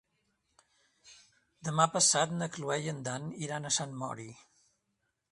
Demà passat na Cloè i en Dan iran a Sant Mori.